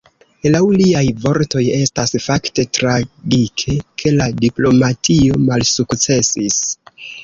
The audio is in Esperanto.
Laŭ liaj vortoj estas "fakte tragike, ke la diplomatio malsukcesis.